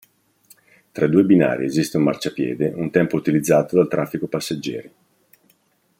Tra i due binari esiste un marciapiede, un tempo utilizzato dal traffico passeggeri.